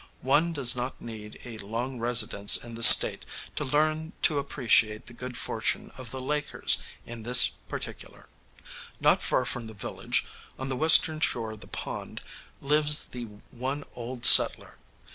One does not need a long residence in the State to learn to appreciate the good fortune of the Lakers in this particular. Not far from the village, on the western shore of the pond, lives the one "old settler."